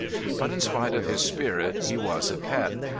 But in spite of his spirit he was a pet.